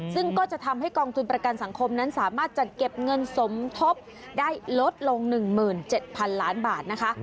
ซึ่งก็จะทำให้กองทุนประกันสังคมนั้นสามารถจัดเก็บเงินสมทบได้ลดลง๑๗๐๐๐ล้านบาทนะคะ